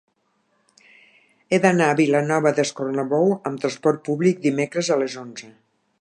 He d'anar a Vilanova d'Escornalbou amb trasport públic dimecres a les onze.